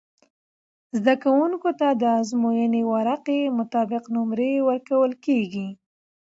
زده کوونکو ته د ازموينې ورقعی مطابق نمرې ورکول کیږی